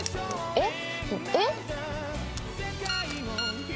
えっ？